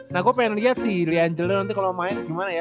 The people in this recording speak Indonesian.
nah gua pengen liat sih lianjelo nanti kalo main gimana ya